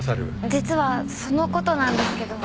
実はその事なんですけど。